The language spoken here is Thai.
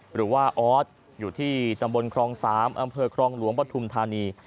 หรือว่าออสอยู่ที่ตำบลครอง๓อำเภอครองหลวงปฐุมธานี